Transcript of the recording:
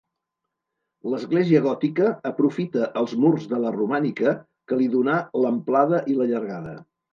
L'església gòtica aprofita els murs de la romànica que li donà l'amplada i la llargada.